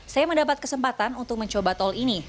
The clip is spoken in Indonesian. saya mendapat kesempatan untuk mencoba tol ini